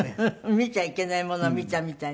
見ちゃいけないものを見たみたいな。